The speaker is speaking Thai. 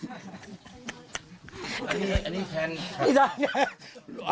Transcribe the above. อันนี้อันนี้แพน